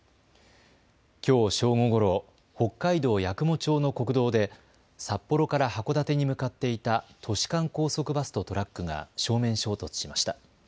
きょう正午ごろ北海道八雲町の国道で札幌から函館に向かっていた都市間高速バスとトラックが正面衝突しました。